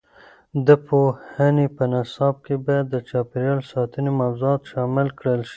د پوهنې په نصاب کې باید د چاپیریال ساتنې موضوعات شامل کړل شي.